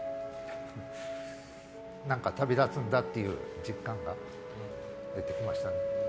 何か旅立つんだという実感が出てきましたね。